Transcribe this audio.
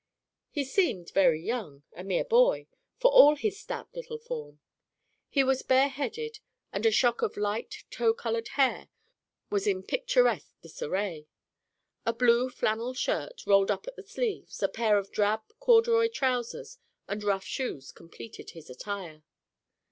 He seemed very young—a mere boy—for all his stout little form. He was bareheaded and a shock of light, tow colored hair was in picturesque disarray. A blue flannel shirt, rolled up at the sleeves, a pair of drab corduroy trousers and rough shoes completed his attire.